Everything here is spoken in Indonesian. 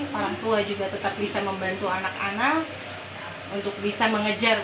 orang tua juga tetap bisa membantu anak anak untuk bisa mengejar